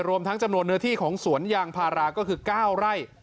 รวมทั้งจำนวนเนื้อที่ของสวนยางพาราก็คือ๙ไร่